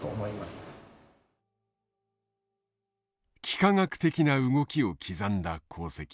幾何学的な動きを刻んだ航跡。